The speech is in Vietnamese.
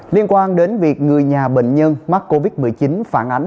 liên quan đến việc người nhà bệnh nhân mắc covid một mươi chín phản ánh